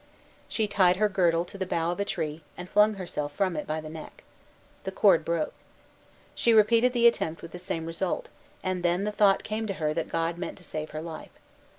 She tied her girdle to the bough of a tree, and hung herself from it by the neck. The cord broke. She repeated the attempt with the same result, and then the thought came to her that God meant to save her life.